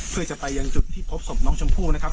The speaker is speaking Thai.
เพื่อจะไปยังจุดที่พบศพน้องชมพู่นะครับ